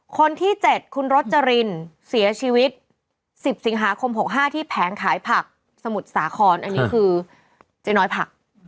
คนที่๗คุณรจรินเสียชีวิต๑๐สิงหาคม๖๕ที่แผงขายผักสมุทรสาครอันนี้คือเจ๊น้อยผัก